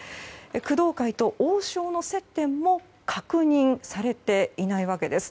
工藤会と王将の接点も確認されていないわけです。